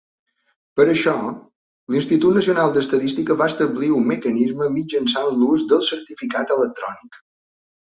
Per a açò, l'Institut Nacional d'Estadística va establir un mecanisme mitjançant l'ús del certificat electrònic.